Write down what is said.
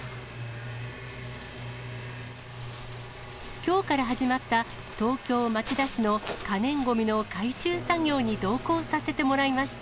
きょうから始まった、東京・町田市の可燃ごみの回収作業に同行させてもらいました。